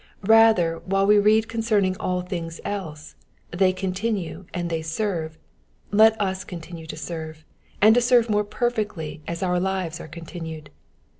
Rather while we read concerning all things else — they continue and they serve, let us continue to serve, and to serve more perfectly as our lives are continued.